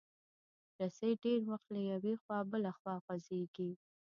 رسۍ ډېر وخت له یوې خوا بله خوا غځېږي.